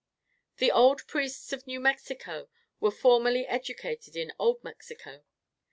The old Priests of New Mexico were formerly educated in Old Mexico.